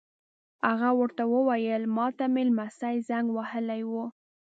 هغه ور ته وویل: ما ته مې نمسی زنګ وهلی و.